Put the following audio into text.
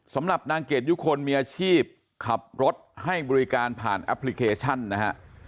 สำหรับนางเกดยุคลมีอาชีพขับรถให้บริการผ่านแอปพลิเคชันนะฮะ